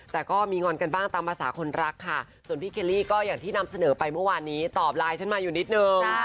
แต่ก็มีงอนกันบ้างตามภาษาคนรักค่ะส่วนพี่เคลลี่ก็อย่างที่นำเสนอไปเมื่อวานนี้ตอบไลน์ฉันมาอยู่นิดนึง